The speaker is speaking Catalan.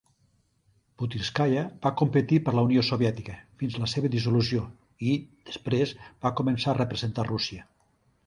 Butyrskaya va competir per la Unió Soviètica fins a la seva dissolució i, després, va començar a representar Rússia.